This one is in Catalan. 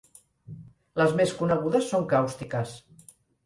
Les més conegudes són càustiques.